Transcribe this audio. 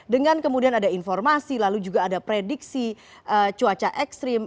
dengan kemudian ada informasi lalu juga ada prediksi cuaca ekstrim